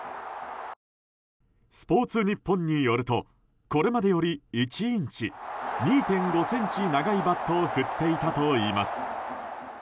スポーツニッポンによるとこれまでより１インチ、２．５ｃｍ長いバットを振っていたといいます。